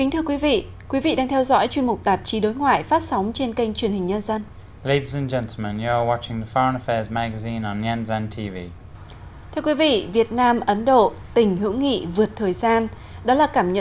thưa quý vị quý vị đang theo dõi chuyên mục tạp chí đối ngoại phát sóng trên kênh truyền hình nhân dân